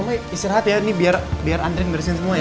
mama istirahat ya ini biar andri yang garisin semua ya